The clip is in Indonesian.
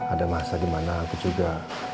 ada masa dimana aku juga